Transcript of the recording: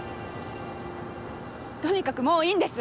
とにかくもういいんです！